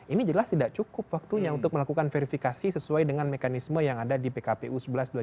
ini jelas tidak cukup waktunya untuk melakukan verifikasi sesuai dengan mekanisme yang ada di pkpu sebelas dua ribu tujuh belas